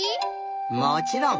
もちろん。